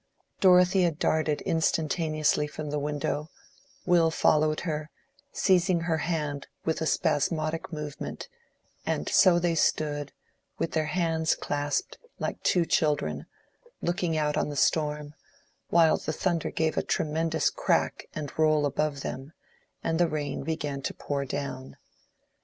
Dorothea darted instantaneously from the window; Will followed her, seizing her hand with a spasmodic movement; and so they stood, with their hands clasped, like two children, looking out on the storm, while the thunder gave a tremendous crack and roll above them, and the rain began to pour down.